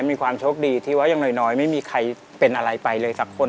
มีความโชคดีที่ว่ายังน้อยไม่มีใครเป็นอะไรไปเลยสักคน